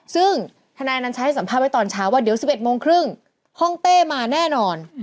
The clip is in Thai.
ซึ่งธนายอนัญชัยให้สัมภาษณ์ไว้ตอนเช้าว่าเดี๋ยว๑๑โมงครึ่งห้องเต้มาแน่นอน